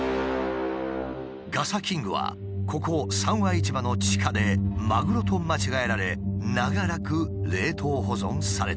ガサキングはここ三和市場の地下でマグロと間違えられ長らく冷凍保存されていた。